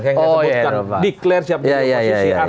saya nggak sebutkan declare siap berada di oposisi